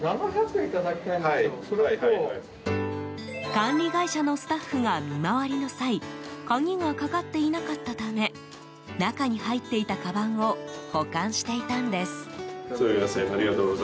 管理会社のスタッフが見回りの際鍵がかかっていなかったため中に入っていたかばんを保管していたんです。